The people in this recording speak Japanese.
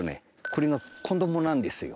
これが子供なんですよ。